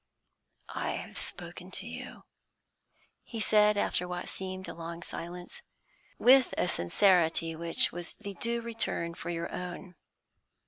"I have spoken to you," he said, after what seemed a long silence, "with a sincerity which was the due return for your own.